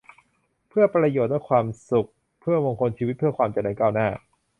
เพื่อประโยชน์และความสุข เพื่อมงคลชีวิต เพื่อความเจริญก้าวหน้า